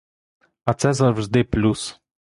А це завжди плюс.